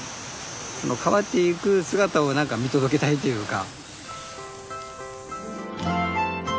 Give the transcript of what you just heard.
その変わっていく姿を何か見届けたいっていうか。